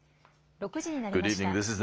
６時になりました。